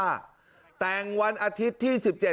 บอกกับกองทัพสื่อเมืองชนว่าได้เริ่งแล้วจ้า